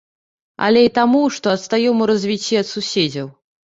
Але і таму, што адстаём у развіцці ад суседзяў.